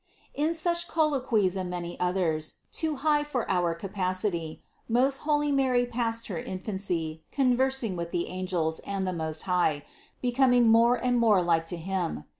383. In such colloquies and many others, too high for our capacity, most holy Mary passed her infancy, conversing with the angels and the Most High, becom ing more and more like to Him.